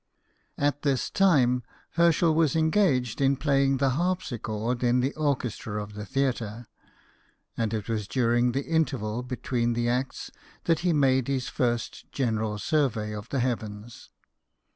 At this time, Herschel was engaged in play ing the harpsichord in the orchestra of the theatre ; and it was during the interval between the acts that he made his first general survey of the heavens.